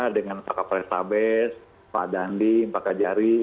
dengan pak kapal estabes pak dandi pak kajari